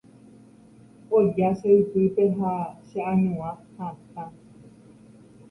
Oja che ypýpe ha che añua hatã